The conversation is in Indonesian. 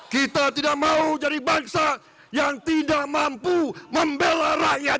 kita tidak mau jadi bangsa yang tidak mampu membela rakyat